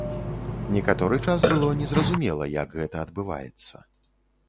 Некаторы час было незразумела, як гэта адбываецца.